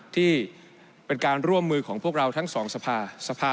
ที่เป็นการร่วมมือของพวกเราทั้งสองสภาสภา